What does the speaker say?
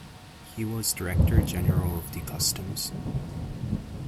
He was Director general of the customs.